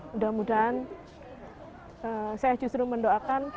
mudah mudahan saya justru mendoakan